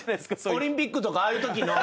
オリンピックとかああいうときの。